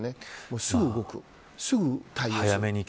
すぐ動く、すぐ対応する。